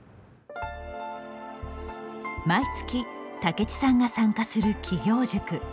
毎月、武智さんが参加する起業塾。